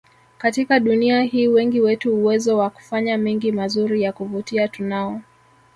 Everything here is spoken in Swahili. Katika dunia hii wengi wetu uwezo wa kufanya mengi mazuri ya kuvutia tunao